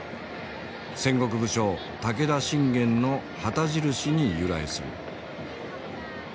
戦国武将武田信玄の旗印に由来する。